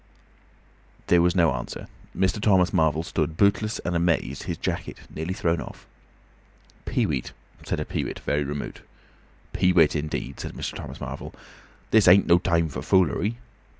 There was no answer. Mr. Thomas Marvel stood bootless and amazed, his jacket nearly thrown off. "Peewit," said a peewit, very remote. "Peewit, indeed!" said Mr. Thomas Marvel. "This ain't no time for foolery."